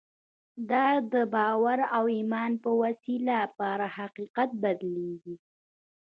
دا د باور او ایمان په وسیله پر حقیقت بدلېږي